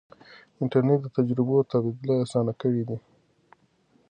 انټرنیټ د تجربو تبادله اسانه کړې ده.